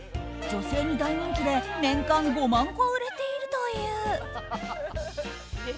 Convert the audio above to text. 女性に大人気で年間５万個売れているという。